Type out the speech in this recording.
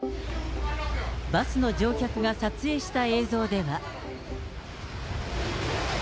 バスの乗客が撮影した映像では。